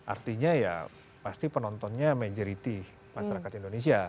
artinya ya pasti penontonnya majority masyarakat indonesia